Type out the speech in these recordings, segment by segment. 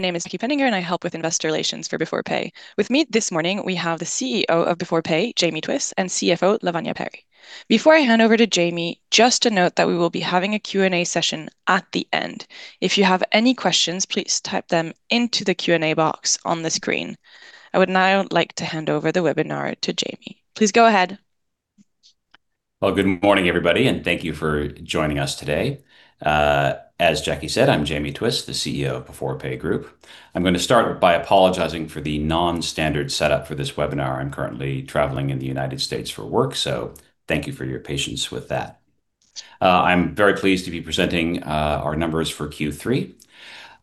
My name is Jackie Pfenninger and I help with Investor Relations for Beforepay. With me this morning we have the Chief Executive Officer of Beforepay, Jamie Twiss, and Chief Financial Officer, Laavanya Pari. Before I hand over to Jamie, just a note that we will be having a Q&A session at the end. If you have any questions, please type them into the Q&A box on the screen. I would now like to hand over the webinar to Jamie. Please go ahead. Well, good morning, everybody, and thank you for joining us today. As Jackie said, I'm Jamie Twiss, the Chief Executive Officer of Beforepay Group. I'm gonna start by apologizing for the non-standard setup for this webinar. I'm currently traveling in the United States for work, so thank you for your patience with that. I'm very pleased to be presenting our numbers for Q3.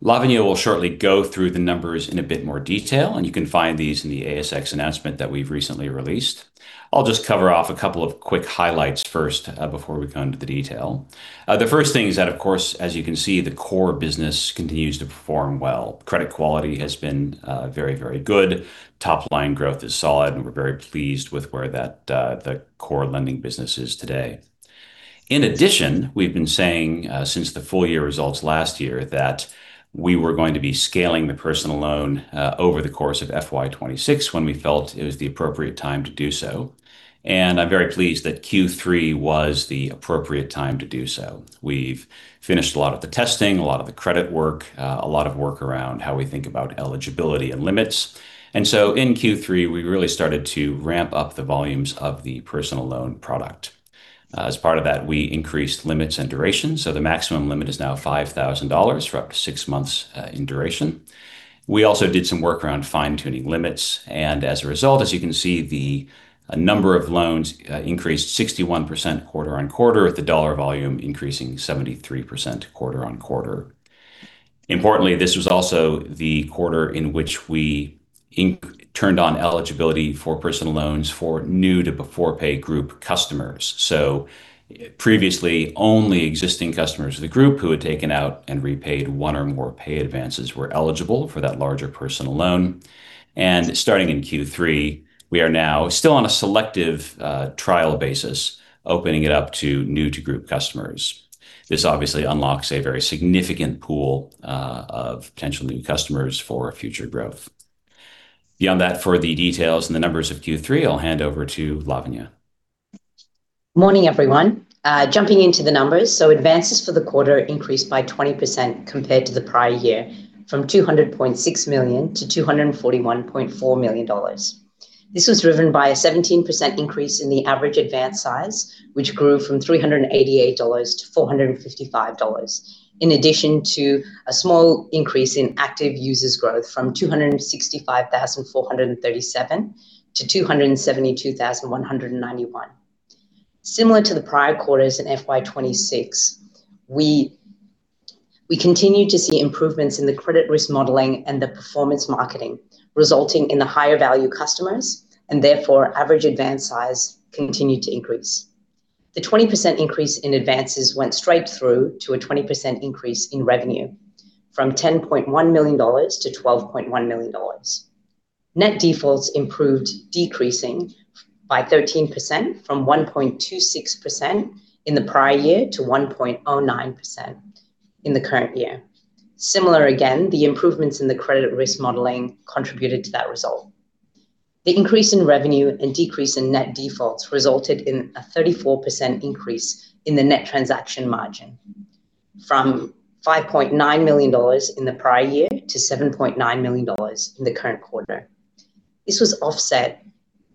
Laavanya will shortly go through the numbers in a bit more detail, and you can find these in the ASX announcement that we've recently released. I'll just cover off a couple of quick highlights first, before we go into the detail. The first thing is that, of course, as you can see, the core business continues to perform well. Credit quality has been very, very good. Top line growth is solid, and we're very pleased with where that, the core lending business is today. In addition, we've been saying, since the full year results last year that we were going to be scaling the personal loan, over the course of FY 2026 when we felt it was the appropriate time to do so, and I'm very pleased that Q3 was the appropriate time to do so. We've finished a lot of the testing, a lot of the credit work, a lot of work around how we think about eligibility and limits. In Q3, we really started to ramp up the volumes of the personal loan product. As part of that, we increased limits and duration, so the maximum limit is now 5,000 dollars for up to six months in duration. We also did some work around fine-tuning limits, and as a result, as you can see, the number of loans increased 61% quarter-over-quarter, with the dollar volume increasing 73% quarter-over-quarter. Importantly, this was also the quarter in which we turned on eligibility for personal loans for new-to-Beforepay Group customers. Previously, only existing customers of the group who had taken out and repaid one or more Pay Advances were eligible for that larger personal loan. Starting in Q3, we are now still on a selective trial basis, opening it up to new-to-group customers. This obviously unlocks a very significant pool of potential new customers for future growth. Beyond that, for the details and the numbers of Q3, I'll hand over to Laavanya. Morning, everyone. Jumping into the numbers. Advances for the quarter increased by 20% compared to the prior year from 200.6 million-241.4 million dollars. This was driven by a 17% increase in the average advance size, which grew from 388-455 dollars, in addition to a small increase in active users growth from 265,437-272,191. Similar to the prior quarters in FY 2026, we continue to see improvements in the credit risk modeling and the performance marketing, resulting in the higher value customers and therefore average advance size continue to increase. The 20% increase in advances went straight through to a 20% increase in revenue from 10.1 million-12.1 million dollars. Net defaults improved, decreasing by 13% from 1.26% in the prior year to 1.09% in the current year. Similar again, the improvements in the credit risk modeling contributed to that result. The increase in revenue and decrease in net defaults resulted in a 34% increase in the net transaction margin from 5.9 million dollars in the prior year to 7.9 million dollars in the current quarter. This was offset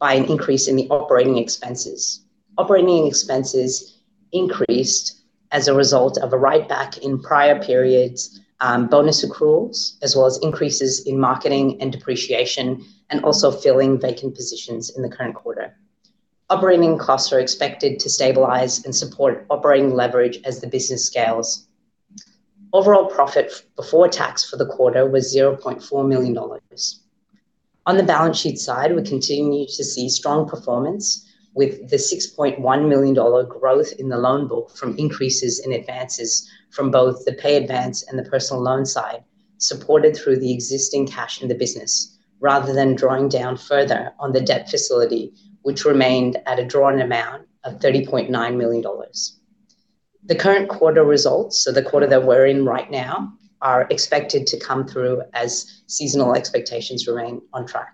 by an increase in the operating expenses. Operating expenses increased as a result of a write-back in prior periods, bonus accruals, as well as increases in marketing and depreciation, and also filling vacant positions in the current quarter. Operating costs are expected to stabilize and support operating leverage as the business scales. Overall profit before tax for the quarter was 0.4 million dollars. On the balance sheet side, we continue to see strong performance with the 6.1 million dollar growth in the loan book from increases in advances from both the Pay Advance and the personal loan side, supported through the existing cash in the business rather than drawing down further on the debt facility, which remained at a drawn amount of 30.9 million dollars. The current quarter results, so the quarter that we're in right now, are expected to come through as seasonal expectations remain on track.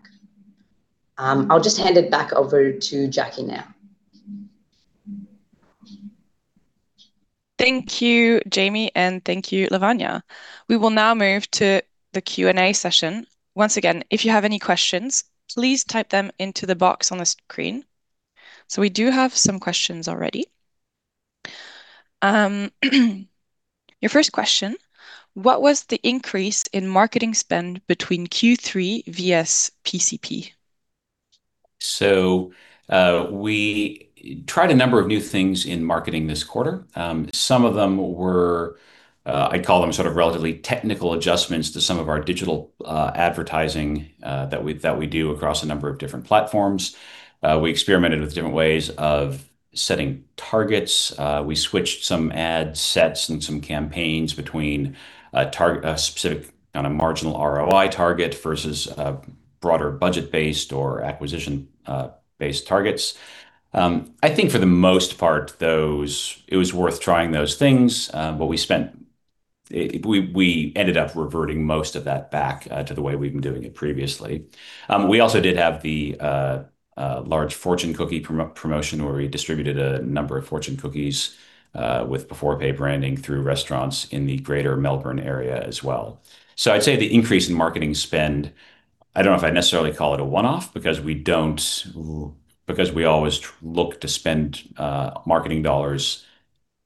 I'll just hand it back over to Jackie now. Thank you Jamie, and thank you, Laavanya. We will now move to the Q&A session. Once again, if you have any questions, please type them into the box on the screen. We do have some questions already. Your first question, what was the increase in marketing spend between Q3 vs PCP? We tried a number of new things in marketing this quarter. Some of them were, I'd call them sort of relatively technical adjustments to some of our digital advertising that we do across a number of different platforms. We experimented with different ways of setting targets. We switched some ad sets and some campaigns between a specific kind of marginal ROI target versus a broader budget-based or acquisition based targets. I think for the most part, it was worth trying those things, but we ended up reverting most of that back to the way we've been doing it previously. We also did have the large fortune cookie promotion where we distributed a number of fortune cookies with Beforepay branding through restaurants in the Greater Melbourne area as well. I'd say the increase in marketing spend, I don't know if I'd necessarily call it a one-off because we always look to spend marketing dollars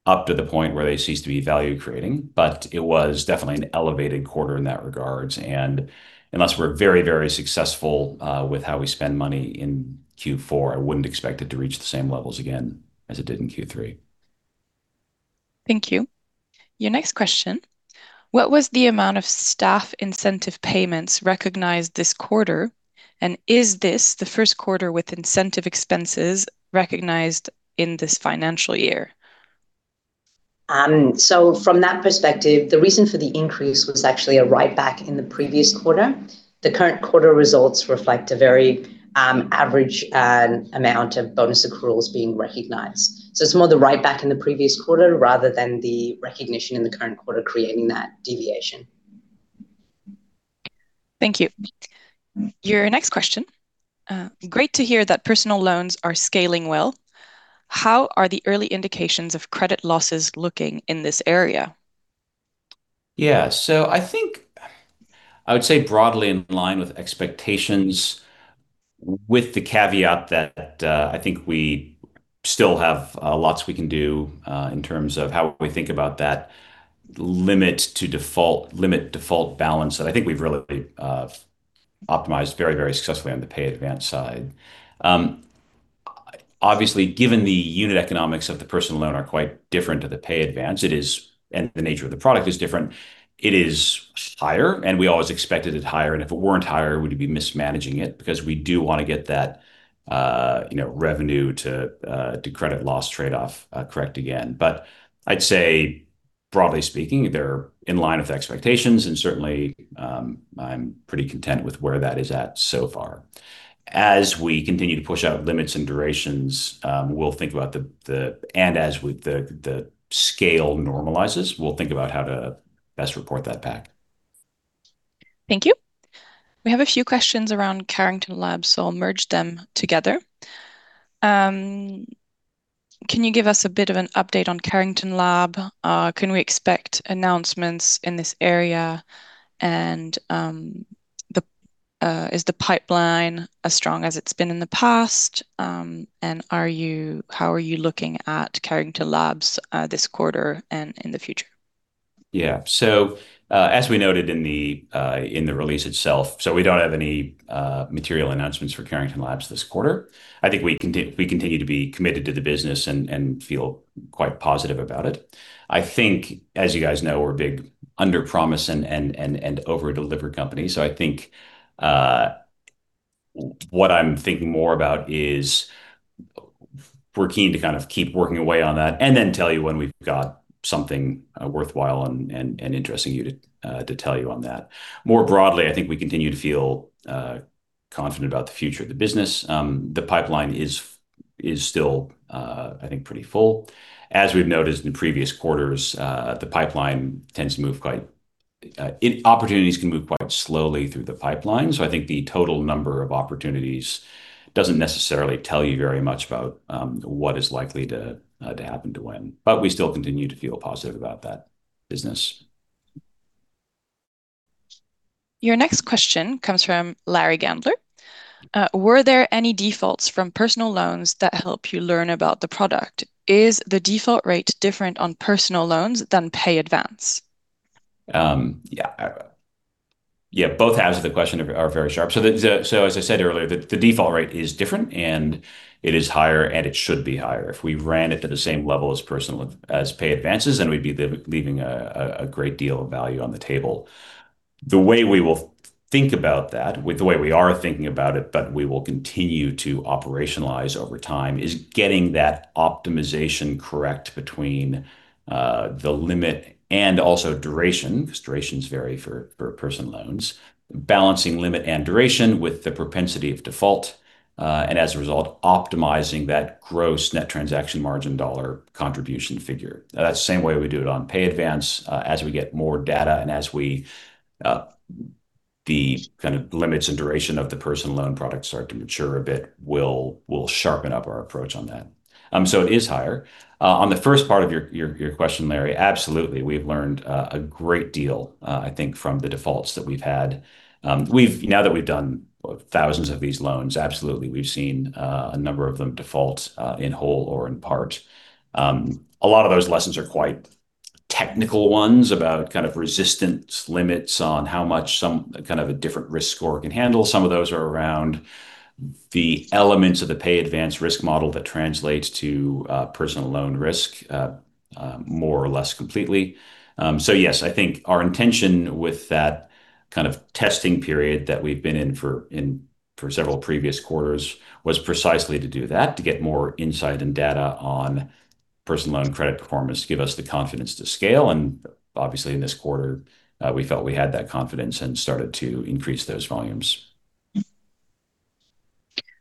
up to the point where they cease to be value-creating. It was definitely an elevated quarter in that regards. Unless we're very, very successful with how we spend money in Q4, I wouldn't expect it to reach the same levels again as it did in Q3. Thank you. Your next question: What was the amount of staff incentive payments recognized this quarter, and is this the first quarter with incentive expenses recognized in this financial year? From that perspective, the reason for the increase was actually a writeback in the previous quarter. The current quarter results reflect a very average amount of bonus accruals being recognized. It's more the writeback in the previous quarter rather than the recognition in the current quarter creating that deviation. Thank you. Your next question. Great to hear that personal loans are scaling well. How are the early indications of credit losses looking in this area? Yeah. I think I would say broadly in line with expectations, with the caveat that, I think we still have, lots we can do, in terms of how we think about that limit default balance that I think we've really, optimized very, very successfully on the Pay Advance side. Obviously, given the unit economics of the personal loan are quite different to the Pay Advance, it is higher, and the nature of the product is different, it is higher, and we always expected it higher. If it weren't higher, we'd be mismanaging it because we do wanna get that, you know, revenue to credit loss trade-off, correct again. I'd say broadly speaking, they're in line with expectations and certainly, I'm pretty content with where that is at so far. As we continue to push out limits and durations, and as the scale normalizes, we'll think about how to best report that back. Thank you. We have a few questions around Carrington Labs, so I'll merge them together. Can you give us a bit of an update on Carrington Labs? Can we expect announcements in this area? Is the pipeline as strong as it's been in the past? How are you looking at Carrington Labs this quarter and in the future? Yeah. As we noted in the release itself, we don't have any material announcements for Carrington Labs this quarter. I think we continue to be committed to the business and feel quite positive about it. I think, as you guys know, we're a big underpromise and overdeliver company. I think what I'm thinking more about is we're keen to kind of keep working away on that and then tell you when we've got something worthwhile and interesting to tell you on that. More broadly, I think we continue to feel confident about the future of the business. The pipeline is still, I think, pretty full. As we've noticed in previous quarters, the pipeline tends to move quite. Opportunities can move quite slowly through the pipeline. I think the total number of opportunities doesn't necessarily tell you very much about what is likely to happen to when. We still continue to feel positive about that business. Your next question comes from Larry Gandler. Were there any defaults from personal loans that help you learn about the product? Is the default rate different on personal loans than Pay Advance? Both halves of the question are very sharp. The default rate is different and it is higher, and it should be higher. If we ran it at the same level as Pay Advances, then we'd be leaving a great deal of value on the table. The way we are thinking about it, but we will continue to operationalize over time, is getting that optimization correct between the limit and also duration, because durations vary for personal loans, balancing limit and duration with the propensity of default, and as a result, optimizing that gross net transaction margin dollar contribution figure. Now, that's the same way we do it on Pay Advance. As we get more data and as we, the kind of limits and duration of the personal loan products start to mature a bit, we'll sharpen up our approach on that. It is higher. On the first part of your question, Larry absolutely. We've learned a great deal, I think from the defaults that we've had. Now that we've done thousands of these loans, absolutely. We've seen a number of them default in whole or in part. A lot of those lessons are quite technical ones about kind of resistance limits on how much some kind of a different risk score can handle. Some of those are around the elements of the Pay Advance risk model that translates to personal loan risk more or less completely. Yes, I think our intention with that kind of testing period that we've been in for several previous quarters was precisely to do that, to get more insight and data on personal loan credit performance, give us the confidence to scale, and obviously in this quarter we felt we had that confidence and started to increase those volumes.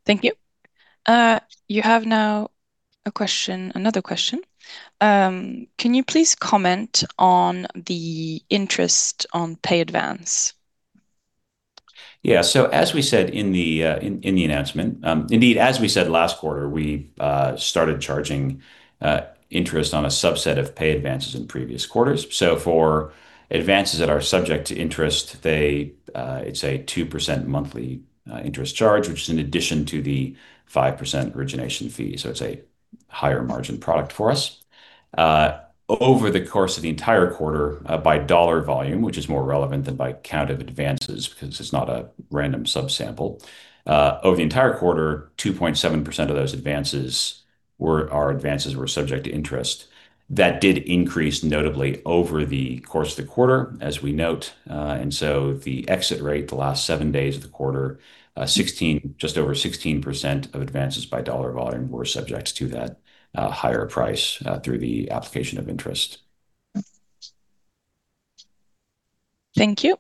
Thank you. You have now another question. Can you please comment on the interest on Pay Advance? Yeah. As we said in the announcement, indeed, as we said last quarter, we started charging interest on a subset of Pay Advances in previous quarters. For advances that are subject to interest, it's a 2% monthly interest charge, which is in addition to the 5% origination fee. It's a higher margin product for us. Over the course of the entire quarter, by dollar volume, which is more relevant than by count of advances because it's not a random sub-sample, 2.7% of those advances were subject to interest. That did increase notably over the course of the quarter, as we note. The exit rate the last seven days of the quarter, 16%, just over 16% of advances by dollar volume were subject to that higher price through the application of interest. Thank you.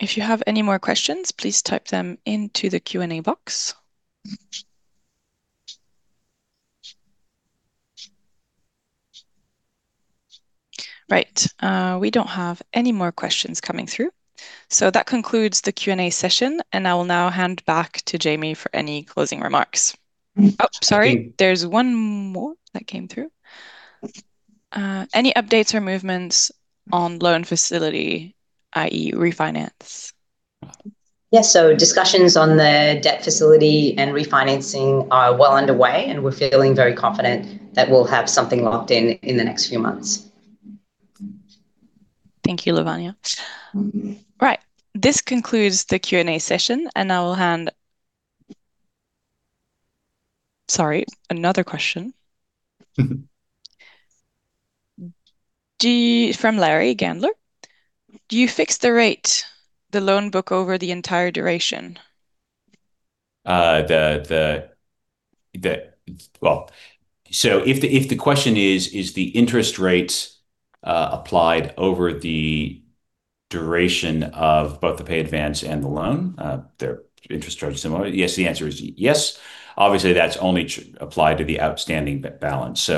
If you have any more questions, please type them into the Q&A box. Right. We don't have any more questions coming through. That concludes the Q&A session, and I will now hand back to Jamie for any closing remarks. There's one more that came through. Any updates or movements on loan facility, i.e., refinance? Yeah. Discussions on the debt facility and refinancing are well underway, and we're feeling very confident that we'll have something locked in in the next few months. Thank you, Laavanya. Right. This concludes the Q&A session. Sorry, another question. Mm-hmm. From Larry Gandler. Do you fix the rate, the loan book over the entire duration? Well, if the question is the interest rate applied over the duration of both the Pay Advance and the loan, their interest charges similar? Yes. The answer is yes. Obviously, that's only applied to the outstanding balance.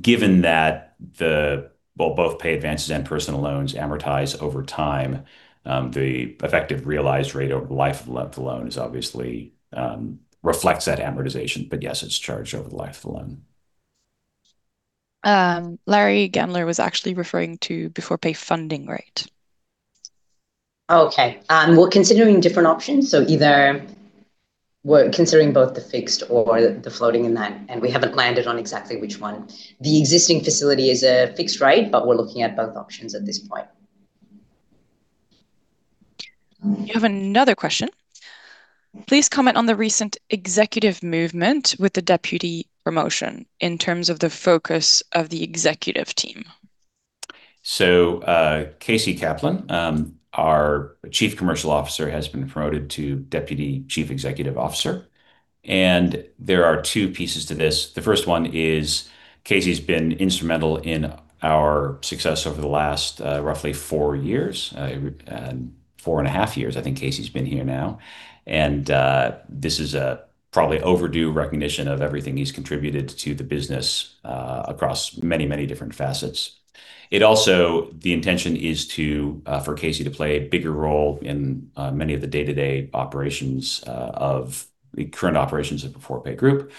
Given that well, both Pay Advances and personal loans amortize over time, the effective realized rate over the life of the loan is obviously reflects that amortization. Yes it's charged over the life of the loan. Larry Gandler was actually referring to Beforepay funding rate. Oh, okay. We're considering different options. Either we're considering both the fixed or the floating in that, and we haven't landed on exactly which one. The existing facility is a fixed rate, but we're looking at both options at this point. You have another question. Please comment on the recent executive movement with the deputy promotion in terms of the focus of the executive team. Kasey Kaplan, our Chief Commercial Officer, has been promoted to Deputy Chief Executive Officer. There are two pieces to this. The first one is Kasey's been instrumental in our success over the last, roughly four years, four and a half years, I think Kasey's been here now. This is a probably overdue recognition of everything he's contributed to the business, across many different facets. It also, the intention is to, for Kasey to play a bigger role in, many of the day-to-day operations, of the current operations of the Beforepay Group.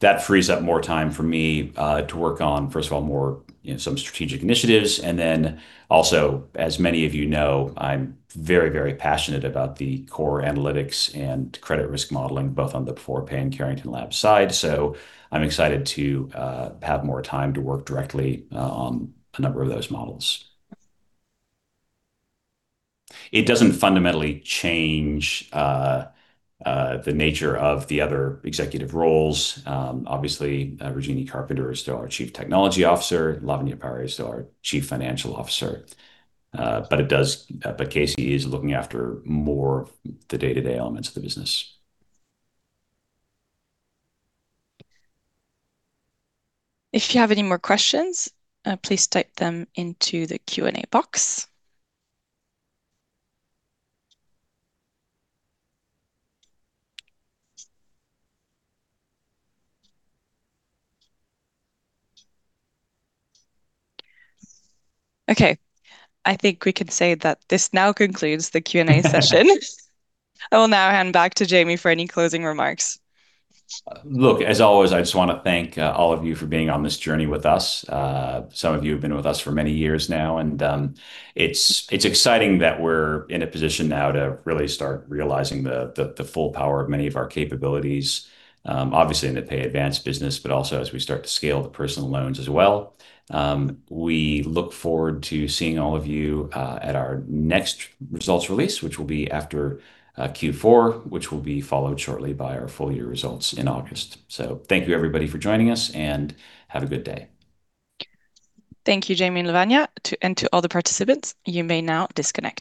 That frees up more time for me, to work on first of all, more, you know, some strategic initiatives. As many of you know, I'm very, very passionate about the core analytics and credit risk modeling, both on the Beforepay and Carrington Labs side. I'm excited to have more time to work directly on a number of those models. It doesn't fundamentally change the nature of the other executive roles. Obviously, Rajini Carpenter is still our Chief Technology Officer. Laavanya Pari is still our Chief Financial Officer. But Kasey is looking after more of the day-to-day elements of the business. If you have any more questions, please type them into the Q&A box. Okay. I think we can say that this now concludes the Q&A session. I will now hand back to Jamie for any closing remarks. Look, as always, I just wanna thank all of you for being on this journey with us. Some of you have been with us for many years now, and it's exciting that we're in a position now to really start realizing the full power of many of our capabilities, obviously in the Pay Advance business, but also as we start to scale the personal loans as well. We look forward to seeing all of you at our next results release, which will be after Q4, which will be followed shortly by our full year results in August. Thank you everybody for joining us, and have a good day. Thank you, Jamie and Laavanya. To all the participants, you may now disconnect.